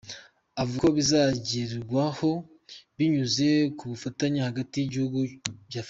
Avuga ko bizagerwaho binyuze mu bufatanye hagati y’ibihugu bya Afurika.